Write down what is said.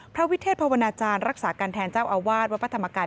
วิเทศภาวนาจารย์รักษาการแทนเจ้าอาวาสวัดพระธรรมกาย